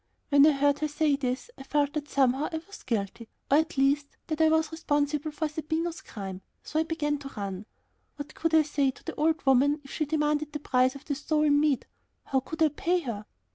When I heard her say this, I felt that somehow I was guilty, or at least, that I was responsible for Zerbino's crime, so I began to run. What could I say to the old woman if she demanded the price of the stolen meat? How could I pay her?